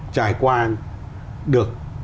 trải qua được